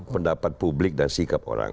pendapat publik dan sikap orang